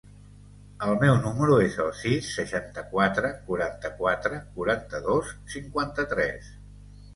El meu número es el sis, seixanta-quatre, quaranta-quatre, quaranta-dos, cinquanta-tres.